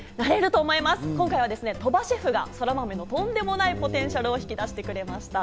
今回は鳥羽シェフがそらまめのとんでもないポテンシャルを引き出してくれました。